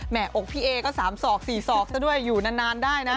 แม้อกพี่เอ๊ก็สามสอกสี่สอกซะด้วยอยู่นานได้นะ